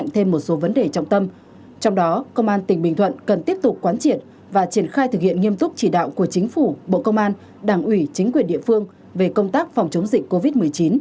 trong đó công an tỉnh bình thuận cần tiếp tục quán triệt và triển khai thực hiện nghiêm túc chỉ đạo của chính phủ bộ công an đảng ủy chính quyền địa phương về công tác phòng chống dịch covid một mươi chín